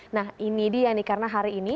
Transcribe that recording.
nah ini dia nih karena hari ini